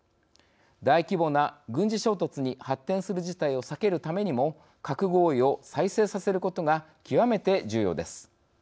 大規模な軍事衝突に発展する事態を避けるためにも「核合意」を再生させることが極めて重要です。